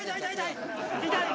痛い！